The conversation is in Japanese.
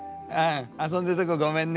遊んでるとこごめんね。